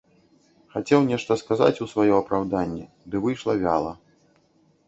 Хацеў нешта сказаць у сваё апраўданне, ды выйшла вяла.